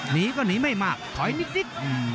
หนีก็หนีไม่มากถอยนิด